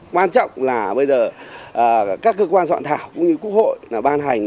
quan trọng là bây giờ các cơ quan soạn thảo cũng như quốc hội ban hành